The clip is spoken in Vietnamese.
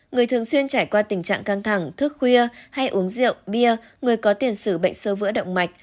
người thường xuyên trải qua tình trạng căng thẳng thức khuya hay uống rượu bia người có tiền sử bệnh sơ vữa động mạch